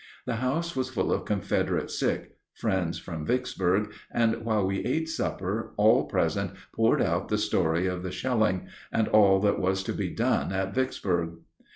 The house was full of Confederate sick, friends from Vicksburg, and while we ate supper all present poured out the story of the shelling and all that was to be done at Vicksburg.